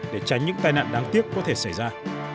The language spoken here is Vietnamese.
để tránh những tai nạn đáng tiếc có thể xảy ra